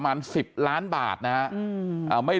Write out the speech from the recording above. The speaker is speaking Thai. มาณ๑๐ล้านบาทนะไม่